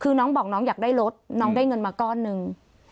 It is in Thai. คือน้องบอกน้องอยากได้รถน้องได้เงินมาก้อนหนึ่ง